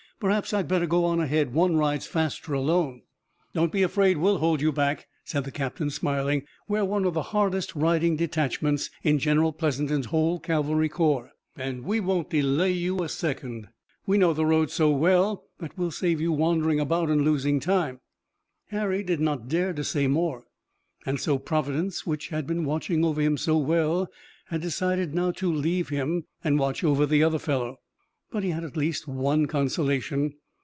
Perhaps I'd better go on ahead. One rides faster alone." "Don't be afraid that we'll hold you back," said the captain, smiling. "We're one of the hardest riding detachments in General Pleasanton's whole cavalry corps, and we won't delay you a second. On the contrary, we know the road so well that we'll save you wandering about and losing time." Harry did not dare to say more. And so Providence, which had been watching over him so well, had decided now to leave him and watch over the other fellow. But he had at least one consolation.